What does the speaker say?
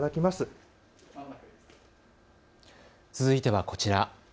続いてはこちら。